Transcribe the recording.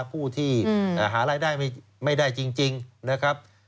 ผู้ที่หารายได้ไม่ได้จริงนะครับ